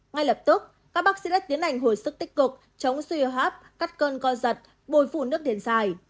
ngay lập tức các bác sĩ đã tiến hành hồi sức tích cực chống suy hợp cắt cơn co giật bồi phủ nước tiền dài